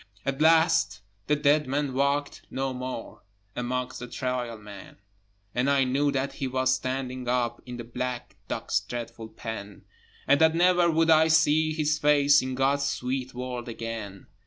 At last the dead man walked no more Amongst the Trial Men, And I knew that he was standing up In the black dock's dreadful pen, And that never would I see his face In God's sweet world again.